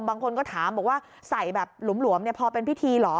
บางคนก็ถามบอกว่าใส่แบบหลวมพอเป็นพิธีเหรอ